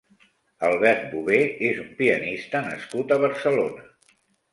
Albert Bover és un pianista nascut a Barcelona.